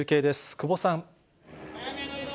久保さん。